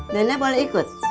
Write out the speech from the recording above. nenek boleh ikut